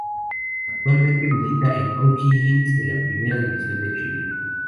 Actualmente milita en O'Higgins de la Primera División de Chile.